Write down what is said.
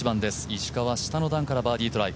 石川、下の段からバーディートライ